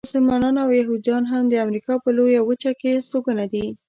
مسلمانان او یهودیان هم د امریکا په لویه وچه کې استوګنه دي.